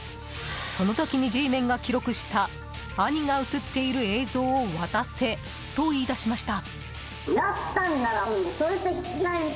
その時にＧメンが記録した兄が映っている映像を渡せと言い出しました。